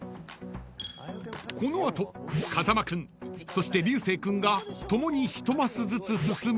［この後風間君そして流星君が共に１マスずつ進め］